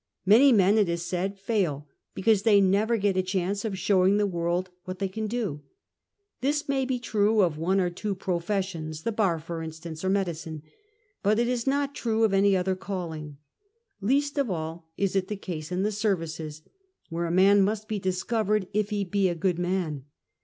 Many men, it is said, fail because they never get a chance of showing the world what they can do. This may be true of one or two professions — the bar, for instance, or medicine, but it is not true of any other calling, licast of all is it the case in the services, where a man must be discovered if ho be a good man.